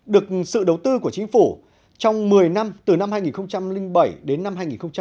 được sự đầu tư của chính phủ trong một mươi năm từ năm hai nghìn bảy đến năm hai nghìn một mươi